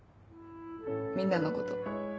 みんなのこと。